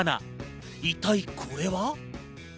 一体これは？